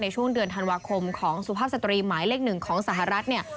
ช่วงเดือนธันวาคมของสุภาพสตรีหมายเลข๑ของสหรัฐเนี่ย